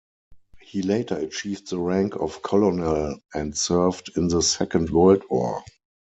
He later achieved the rank of colonel and served in the Second World War.